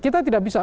kita tidak bisa